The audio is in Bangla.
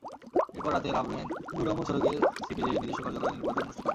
এরপর রাতে লাভলেন নূর আহমদ সড়কের সিপিজেএর নিজস্ব কার্যালয়ে নির্বাচন অনুষ্ঠিত হয়।